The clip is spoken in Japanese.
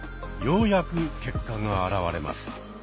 ようやく結果が現れます。